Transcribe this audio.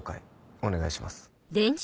お願いします